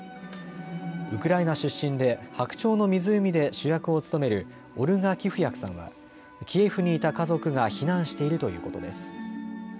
ウクライナ出身で白鳥の湖で主役を務めるオルガ・キフヤクさんはキエフにいた家族が避難しているということです。